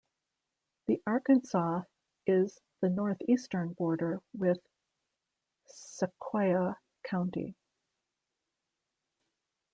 The Arkansas is the northeastern border with Sequoyah County.